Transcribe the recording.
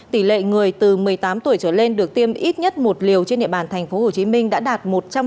tỷ lệ người từ một mươi tám tuổi trở lên được tiêm ít nhất một liều trên địa bàn tp hcm đã đạt một trăm linh